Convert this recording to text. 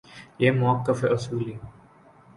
یہ موقف اصولی